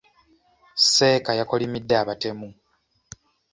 Seeka yakolimidde abatemu.